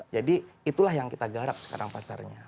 jadi itulah yang kita garap sekarang pasarnya